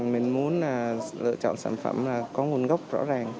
mình muốn lựa chọn sản phẩm có nguồn gốc rõ ràng